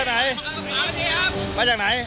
สถานการณ์ข้อมูล